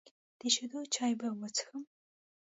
د شیدو چای به وڅښم.